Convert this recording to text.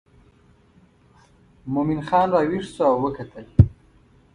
مومن خان راویښ شو او وکتل.